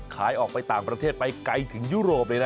ขายออกไปต่างประเทศไปไกลถึงยุโรปเลยนะ